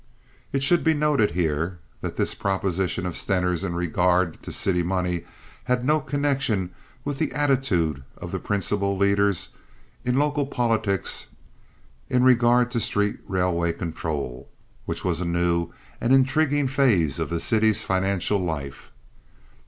It should be noted here that this proposition of Stener's in regard to city money had no connection with the attitude of the principal leaders in local politics in regard to street railway control, which was a new and intriguing phase of the city's financial life.